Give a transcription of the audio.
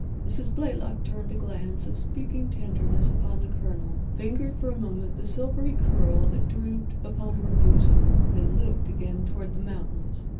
Mrs. Blaylock turned a glance of speaking tenderness upon the Colonel, fingered for a moment the silvery curl that drooped upon her bosom, then looked again toward the mountains.